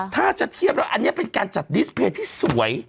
ถ้าจะเทียบแล้วอันนี้เป็นการจัดดิสเพย์ที่สวย